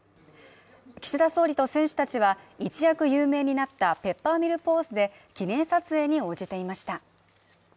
岸田総理と選手たちは一躍有名になったペッパーミルポーズで記念撮影に応じていました。